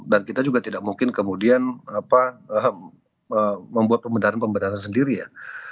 dan kita juga tidak mungkin kemudian membuat pemberdarian pemberdarian sendiri ya